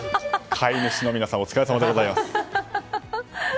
飼い主の皆さんお疲れさまでございます。